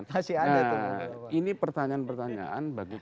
nah ini pertanyaan pertanyaan bagi kita